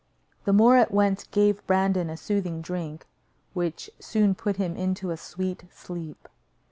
The Moor at once gave Brandon a soothing drink, which soon put him into a sweet sleep.